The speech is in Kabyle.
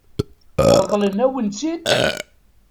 Ṛeḍlen-awen-tt-id?